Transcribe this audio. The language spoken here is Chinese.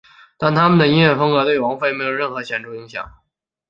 但他们的音乐风格对王菲没有任何显着影响。